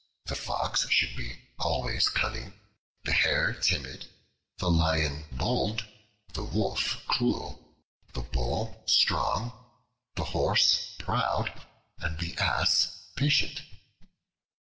The Fox should be always cunning, the Hare timid, the Lion bold, the Wolf cruel, the Bull strong, the Horse proud, and the Ass patient.